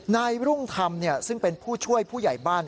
นายรุ่งธรรมซึ่งเป็นผู้ช่วยผู้ใหญ่บ้าน